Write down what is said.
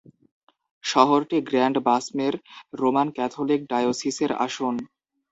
শহরটি গ্র্যান্ড-বাসমের Roman Catholic ডায়োসিসের আসন।